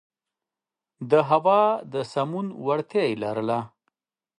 د هوا د سمون وړتیا یې لرله.